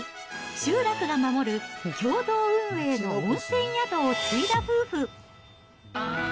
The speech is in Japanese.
集落が守る共同運営の温泉宿を継いだ夫婦。